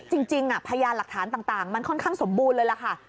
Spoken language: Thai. จริงพยานหลักฐานต่างมันค่อนข้างสมบูรณ์เลยล่ะค่ะ